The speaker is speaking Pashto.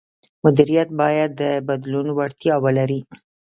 مدیریت باید د بدلون وړتیا ولري.